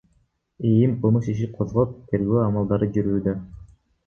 ИИМ кылмыш ишин козгоп, тергөө амалдары жүрүүдө.